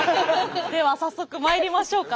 では早速まいりましょうか。